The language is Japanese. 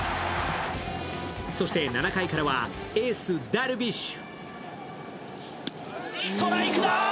そして７回からはエース・ダルビッシュ。